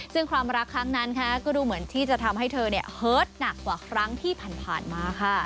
ซึ่งความรักครั้งนั้นก็ดูเหมือนที่จะทำให้เธอเฮิตหนักกว่าครั้งที่ผ่านมาค่ะ